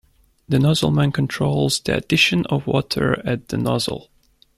The nozzleman controls the addition of water at the nozzle.